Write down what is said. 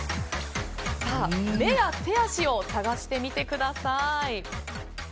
目や手足を探してみてください。